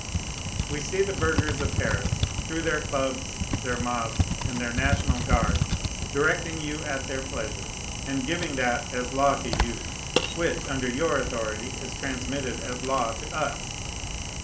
We see the burghers of Paris, through their clubs, their mobs, and their national guards, directing you at their pleasure, and giving that as law to you, which, under your authority, is transmitted as law to us.